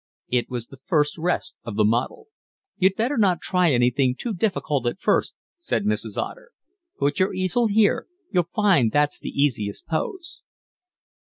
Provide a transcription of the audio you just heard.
It was the first rest of the model. "You'd better not try anything too difficult at first," said Mrs. Otter. "Put your easel here. You'll find that's the easiest pose."